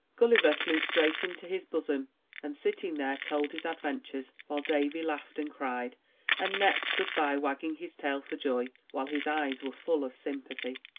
Gulliver flew straight into his bosom, and, sitting there, told his adventures; while Davy laughed and cried, and Nep stood by, wagging his tail for joy, while his eyes were full of sympathy.